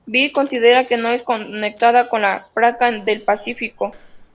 Bird considera que no es conectada con la placa del Pacífico.